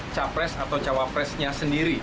capres atau cawapresnya sendiri